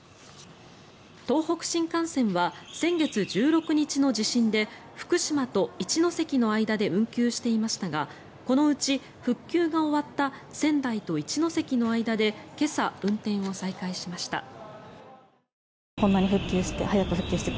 東北新幹線は先月１６日の地震で福島と一ノ関の間で運休していましたがこのうち復旧が終わった仙台と一ノ関の間で今朝、運転を再開しました。